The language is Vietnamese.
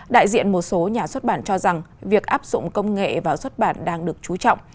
đại diện một số nhà xuất bản cho rằng việc áp dụng công nghệ vào xuất bản đang được chú trọng